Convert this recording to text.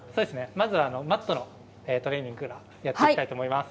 まずはマットのトレーニングをやっていきたいと思います。